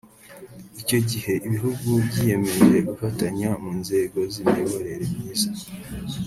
Icyo gihe ibihugu byiyemeje gufatanya mu nzego z’imiyoborere myiza